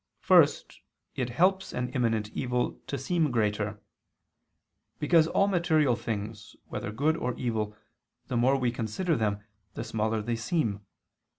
First, it helps an imminent evil to seem greater. Because all material things, whether good or evil, the more we consider them, the smaller they seem.